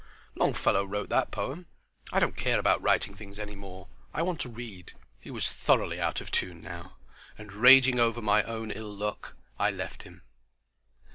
Longfellow wrote that poem. I don't care about writing things any more. I want to read." He was thoroughly out of tune now, and raging over my own ill luck, I left him.